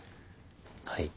はい。